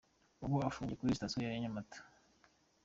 Ubu afungiye kuri sitasiyo ya Nyamata.